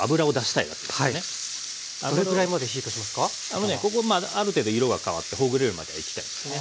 あのねここある程度色が変わってほぐれるまではいきたいですね。